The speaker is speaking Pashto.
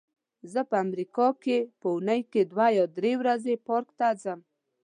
زه په امریکا کې په اوونۍ کې دوه یا درې ورځې پارک ته ځم.